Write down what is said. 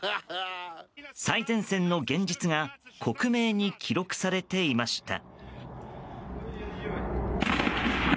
最前線の現実が克明に記録されていました。